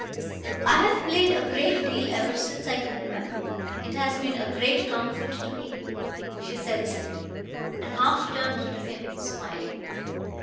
"I have played a great deal ever since I can remember. It has been a great comfort to me," she said simply, and half turned to him smiling.